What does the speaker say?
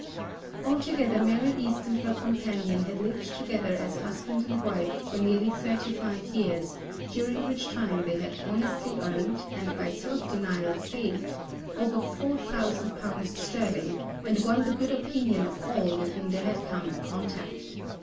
Altogether Mary East and her companion had lived together as husband and wife for nearly thirty five years, during which time they had honestly earned, and by self denial saved, over four thousand pounds sterling and won the good opinion of all with whom they had come in contact.